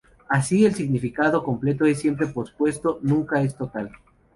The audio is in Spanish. Así, el significado completo es siempre pospuesto; nunca es total.